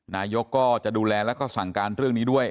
นายกก็จะดูแลแล้วก็สั่งการเรื่องนี้ด้วย